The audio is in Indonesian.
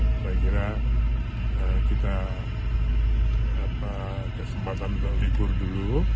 saya kira kita kesempatan untuk libur dulu